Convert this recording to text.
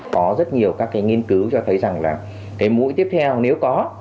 có rất nhiều các nghiên cứu cho thấy rằng là mũi tiếp theo nếu có